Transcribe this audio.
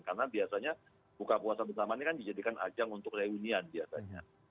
karena biasanya buka puasa bersama ini kan dijadikan ajang untuk reunian biasanya